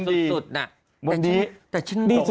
ดีแบบสุดน่ะบางทีดีสุดสุดมากทำไมเชื่อได้ขนาดนั้น